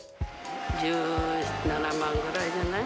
１７万ぐらいじゃない？